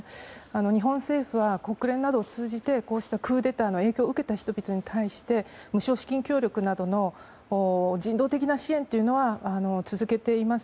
日本政府は国連などを通じてこうしたクーデターの影響を受けた人々に対して無償資金協力などの人道的な支援というのは続けています。